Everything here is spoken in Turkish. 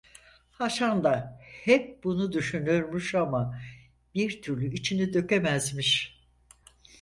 Haşan da hep bunu düşünürmüş ama, bir türlü içini dökemezmiş.